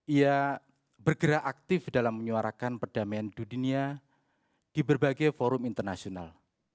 ia bergerak aktif dalam menyuarakan perdamaian dunia di berbagai forum internasional